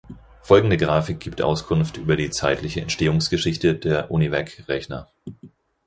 Folgende Grafik gibt Auskunft über die zeitliche Entstehungsgeschichte der Univac Rechner.